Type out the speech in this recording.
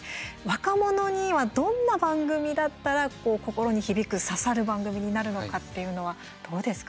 若者にはどんな番組だったら心に響く、刺さる番組になるのかっていうのはどうですか？